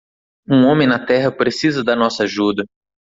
Um homem na terra precisa da nossa ajuda.